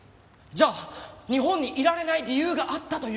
じゃあ日本にいられない理由があったという事ですか？